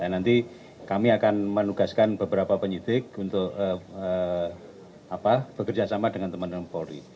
nanti kami akan menugaskan beberapa penyidik untuk bekerjasama dengan teman teman polri